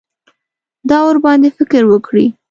دا ورباندې فکر وکړي.